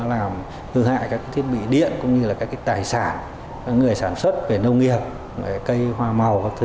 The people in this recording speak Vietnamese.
làm hư hại các thiết bị điện tài sản người sản xuất nông nghiệp cây hoa màu